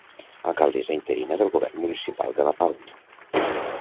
Alcaldessa interina del Govern Municipal de la Pau.